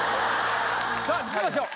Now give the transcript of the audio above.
さあいきましょう！